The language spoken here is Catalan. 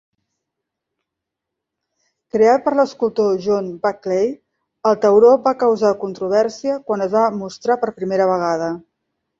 Creat per l'escultor John Buckley, el tauró va causar controvèrsia quan es va mostrar per primera vegada.